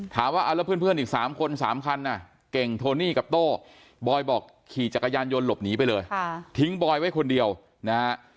ถามว่าเอาแล้วเพื่อนอีก๓คน๓คันเก่งโทนี่กับโต้บอยบอกขี่จักรยานยนต์หลบหนีไปเลยทิ้งบอยไว้คนเดียวนะฮะ